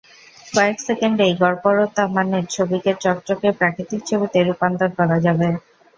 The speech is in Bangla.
কয়েক সেকেন্ডেই গড়পড়তা মানের ছবিকে চকচকে, প্রাকৃতিক ছবিতে রূপান্তর করা যাবে।